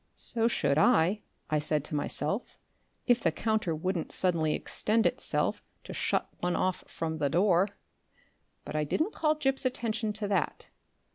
"So should I," I said to myself, "if the counter wouldn't suddenly extend itself to shut one off from the door." But I didn't call Gip's attention to that.